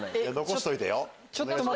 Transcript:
残しといてよ。